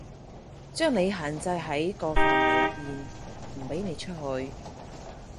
將你限制喺個範圍入面，唔畀你出去